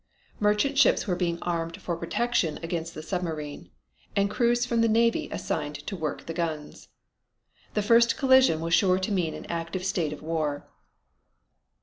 Merchant ships were being armed for protection against the submarine, and crews from the Navy assigned to work the guns. The first collision was sure to mean an active state of war.